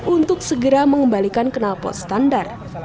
untuk segera mengembalikan kenal pot standar